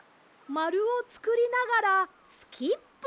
まるをつくりながらスキップ。